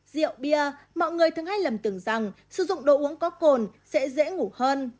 rượu bia mọi người thường hay lầm tưởng rằng sử dụng đồ uống có cồn sẽ dễ ngủ hơn